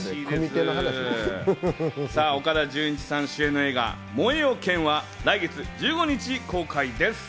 岡田准一さん主演の映画『燃えよ剣』は来月１５日公開です。